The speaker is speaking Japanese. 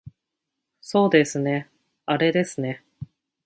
そうですねあれですね